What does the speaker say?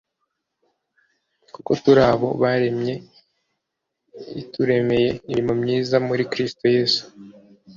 kuko turabo yaremye ituremeye imirimo myiza muri kristo yesu